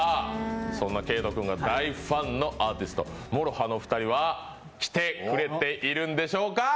そんな圭人君が大ファンのアーティストＭＯＲＯＨＡの２人は来てくれているんでしょうか？